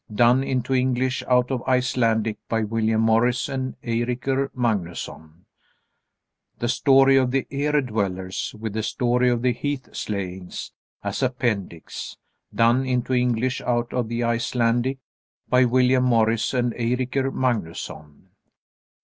Done into English out of Icelandic by William Morris and Eirikr Magnusson. "The Story of the Ere dwellers," with "The Story of the Heath slayings" as Appendix. Done into English out of the Icelandic by William Morris and Eirikr Magnusson.